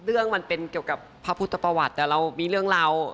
เรื่องมันเป็นเกี่ยวกับพระพุทธประวัติแต่เรามีเรื่องราว